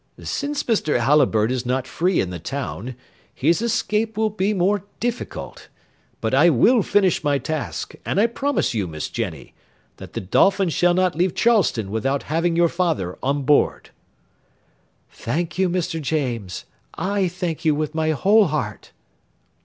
"Since Mr. Halliburtt is not free in the town, his escape will be more difficult; but I will finish my task, and I promise you, Miss Jenny, that the Dolphin shall not leave Charleston without having your father on board." "Thank you, Mr. James; I thank you with my whole heart."